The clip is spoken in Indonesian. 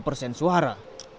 delapan persen suara